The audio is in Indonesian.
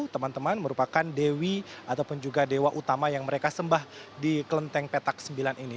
teman teman merupakan dewi ataupun juga dewa utama yang mereka sembah di kelenteng petak sembilan ini